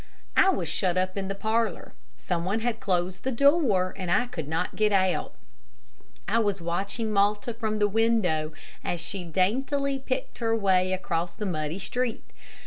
I was shut up in the parlor. Some one had closed the door, and I could not get out. I was watching Malta from the window, as she daintily picked her way across the muddy street.